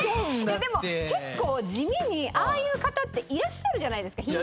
でも結構地味にああいう方っていらっしゃるじゃないですか。